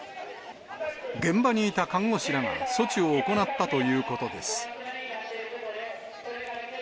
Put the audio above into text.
現場にいた看護師らが措置を行ったということです。